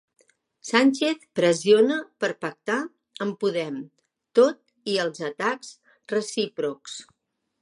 Sánchez pressiona per pactar amb Podem tot i els atacs recíprocs.